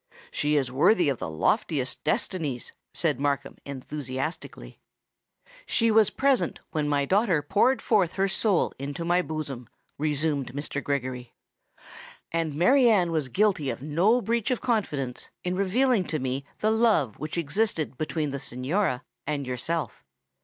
"She is worthy of the loftiest destinies!" said Markham enthusiastically. "She was present when my daughter poured forth her soul into my bosom," resumed Mr. Gregory; "and Mary Anne was guilty of no breach of confidence in revealing to me the love which existed between the Signora and yourself.